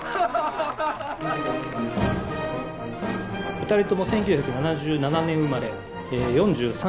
二人とも１９７７年生まれ４３歳の同い年。